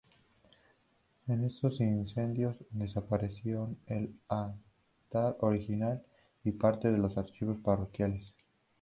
En estos incendios desaparecieron el altar original y parte de los archivos parroquiales.